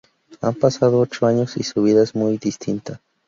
Han pasado ocho años y su vida es muy distinta...